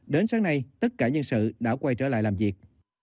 đến sáng nay tất cả nhân sự đã quay trở lại làm việc